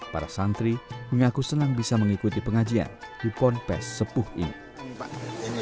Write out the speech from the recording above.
para santri mengaku senang bisa mengikuti pengajian di pondok pesantren subuh ini